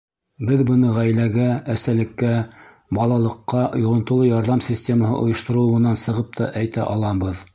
Беҙ быны ғаиләгә, әсәлеккә, балалыҡҡа йоғонтоло ярҙам системаһы ойошторолоуынан сығып та әйтә алабыҙ.